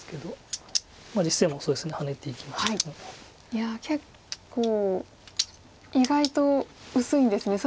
いや結構意外と薄いんですね。